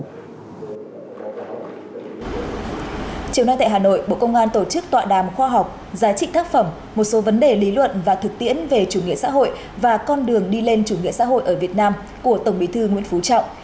chiều nay tại hà nội bộ công an tổ chức tọa đàm khoa học giá trị tác phẩm một số vấn đề lý luận và thực tiễn về chủ nghĩa xã hội và con đường đi lên chủ nghĩa xã hội ở việt nam của tổng bí thư nguyễn phú trọng